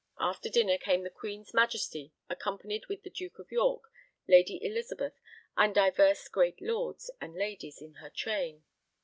After dinner came the Queen's Majesty, accompanied with the Duke of York, Lady Elizabeth, and divers great lords and ladies in her train.